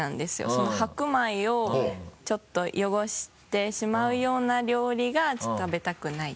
その白米をちょっと汚してしまうような料理がちょっと食べたくない。